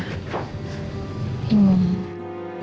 ya sebelumnya saya minta maaf ya sama kamu